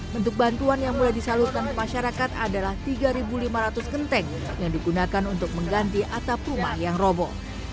bentuk bantuan yang mulai disalurkan ke masyarakat adalah tiga lima ratus kenteng yang digunakan untuk mengganti atap rumah yang robo